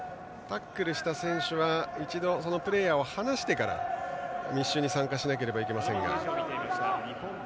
タックルした選手は一度そのプレーヤーを離してから密集に参加しなければいけませんが。